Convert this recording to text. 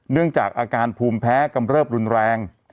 เนื่องจากอาการภูมิแพ้กำเริบรุนแรง